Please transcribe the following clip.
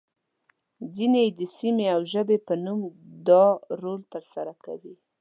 ځینې يې د سیمې او ژبې په نوم دا رول ترسره کوي.